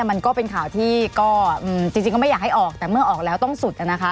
มันก็เป็นข่าวที่ก็จริงก็ไม่อยากให้ออกแต่เมื่อออกแล้วต้องสุดนะคะ